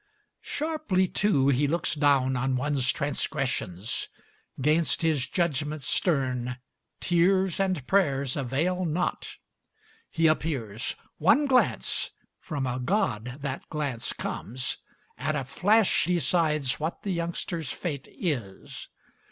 Sharply, too, he looks down on one's transgressions. 'Gainst his judgment stern, tears and prayers avail not. He appears one glance (from a god that glance comes!) At a flash decides what the youngster's fate is.